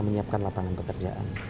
menyiapkan lapangan pekerjaan